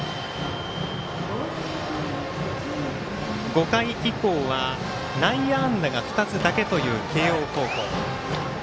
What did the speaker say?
５回以降は内野安打が２つだけという慶応高校。